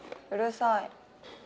うるさい。